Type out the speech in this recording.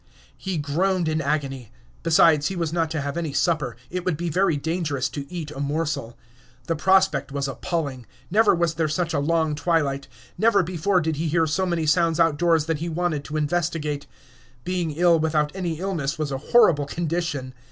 He groaned in agony. Besides, he was not to have any supper; it would be very dangerous to eat a morsel. The prospect was appalling. Never was there such a long twilight; never before did he hear so many sounds outdoors that he wanted to investigate. Being ill without any illness was a horrible condition.